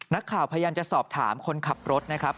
นักข่าวพยายามจะสอบถามคนขับรถนะครับ